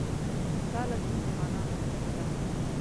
دا لټون د مانا غوښتنه ده.